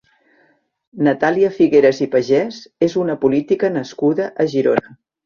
Natàlia Figueras i Pagès és una política nascuda a Girona.